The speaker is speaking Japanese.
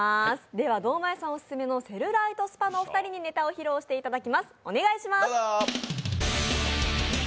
では、堂前さん、オススメのセルライトスパのお二人にネタを披露していただきます。